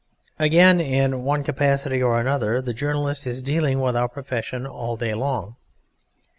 Again, in one capacity or another, the journalist is dealing with our profession all day long.